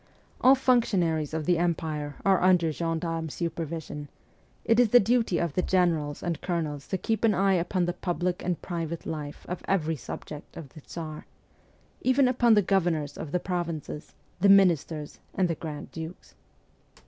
All functionaries of the empire are under gendarme supervision ; it is the duty of the generals and colonels to keep an eye upon the public and private life of every subject of the Tsar even upon the governors of the provinces, the ministers, and the grand dukes.